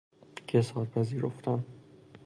کساد پذیرفتن